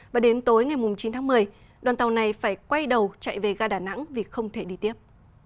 và đến tối ngày chín tháng một mươi đoàn tàu này phải quay đầu chạy về ga đà nẵng vì không thể đi tiếp